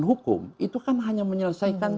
hukum itu kan hanya menyelesaikan